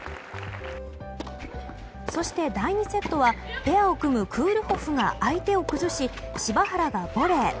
そして、第２セットはペアを組むクールホフが相手を崩し、柴原がボレー。